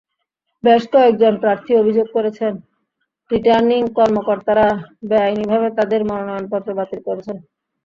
বেশ কয়েকজন প্রার্থী অভিযোগ করেছেন, রিটার্নিং কর্মকর্তারা বেআইনিভাবে তাঁদের মনোনয়নপত্র বাতিল করেছেন।